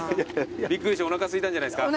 びっくりしておなかすいたんじゃないですか？